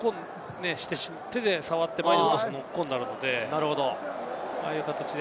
手で触って落とすとノックオンになるので、ああいう形で。